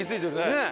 ねえ。